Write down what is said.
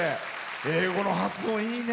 英語の発音いいね。